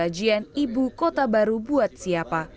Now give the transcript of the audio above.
kajian ibu kota baru buat siapa